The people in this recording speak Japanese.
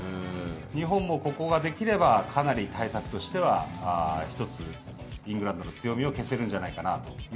日本もここができれば、かなり対策としては１つイングランドの強みを消せるんじゃないかな